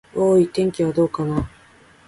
おーーい、天気はどうかな。